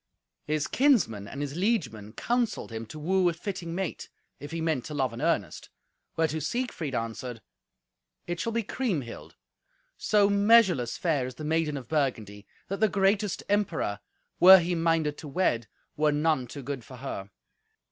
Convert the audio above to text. His kinsmen and his liegemen counselled him to woo a fitting mate, if he meant to love in earnest, whereto Siegfried answered, "It shall be Kriemhild. So measureless fair is the maiden of Burgundy, that the greatest emperor, were he minded to wed, were none too good for her."